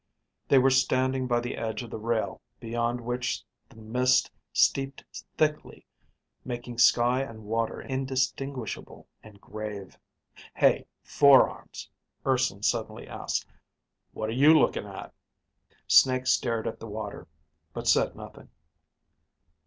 They were standing by the edge of the rail beyond which the mist steeped thickly, making sky and water indistinguishable and grave. "Hey, Four arms," Urson suddenly asked. "What are you looking at?" Snake stared at the water but said nothing.